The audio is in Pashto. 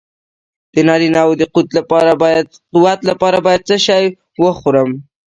د نارینه وو د قوت لپاره باید څه شی وخورم؟